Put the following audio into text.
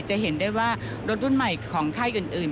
จะเห็นได้ว่ารถรุ่นใหม่ของค่ายอื่น